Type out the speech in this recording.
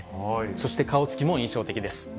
そして顔つきも印象的です。